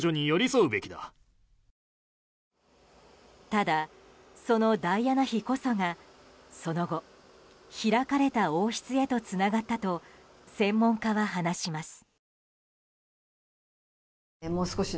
ただ、そのダイアナ妃こそがその後、開かれた王室へとつながったと専門家は話します。